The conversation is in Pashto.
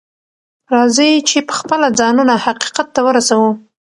راځئ چې پخپله ځانونه حقيقت ته ورسوو.